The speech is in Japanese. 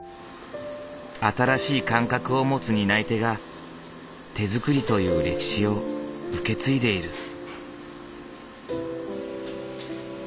新しい感覚を持つ担い手が手作りという歴史を受け継いでいる。